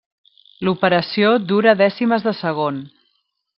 L'operació dura dècimes de segon.